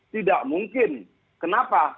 tidak mungkin kenapa